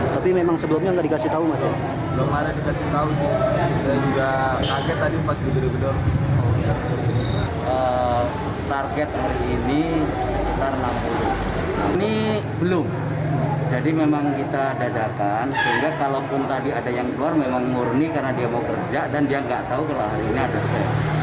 target hari ini sekitar enam puluh ini belum jadi memang kita dadakan sehingga kalau pun tadi ada yang keluar memang murni karena dia mau kerja dan dia nggak tahu kalau hari ini ada swab